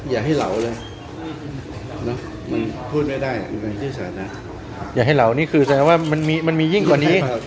อย่าให้เหลาเลยมันพูดไม่ได้อย่าให้เหลานี่คือแสดงว่ามันมียิ่งกว่านี้